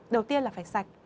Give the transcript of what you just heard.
đầu tiên là phải sạch